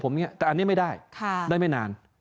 แต่อันนี้ไม่ได้ได้ไม่นาน